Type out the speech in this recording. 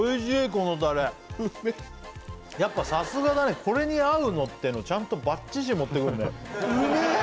このタレうめえやっぱさすがだねこれに合うのってのちゃんとバッチシ持ってくるねうめえ